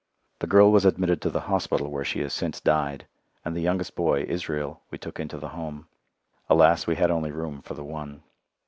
The girl was admitted to the hospital, where she has since died, and the youngest boy, Israel, we took into the Home. Alas, we had only room for the one.